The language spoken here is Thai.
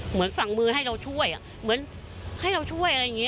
เหมือนฝั่งมือให้เราช่วยเหมือนให้เราช่วยอะไรอย่างนี้